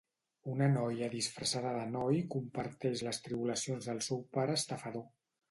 Una noia disfressada de noi comparteix les tribulacions del seu pare estafador.